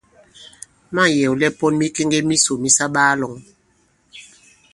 Ma᷇ŋ yɛ̀wlɛ pɔn mikeŋge misò mi sa baa-lɔ̄ŋ.